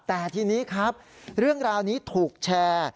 แต่ทีนี้ครับเรื่องราวนี้ถูกแชร์